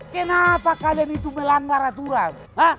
kenapa keadaan itu melanggar aturan